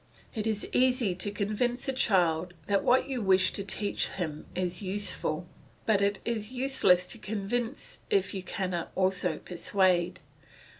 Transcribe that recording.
It is easy to convince a child that what you wish to teach him is useful, but it is useless to convince if you cannot also persuade.